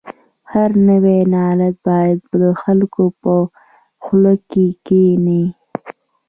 هر نوی لغت باید د خلکو په خوله کې کښیني.